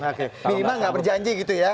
oke minuman nggak berjanji gitu ya